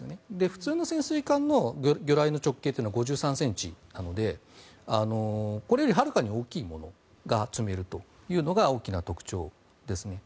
普通の潜水艦の魚雷の直径は５３ｃｍなのでこれよりはるかに大きいものが積めるというのが大きな特徴ですね。